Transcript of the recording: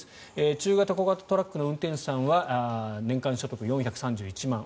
中型小型トラックの運転手さんは年間所得４３１万円。